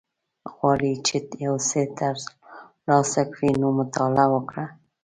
غواړی چی یوڅه تر لاسه کړی نو مطالعه وکړه